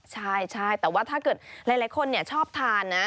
ใช่แต่ว่าถ้าเกิดหลายคนชอบทานนะ